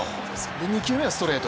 で、２球目がストレート。